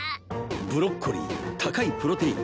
ブロッコリー高いプロテイン